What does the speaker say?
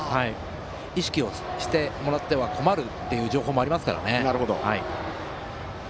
意識してもらっては困るという情報もありますからね。